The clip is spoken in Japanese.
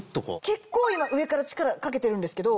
結構今上から力かけてるんですけど。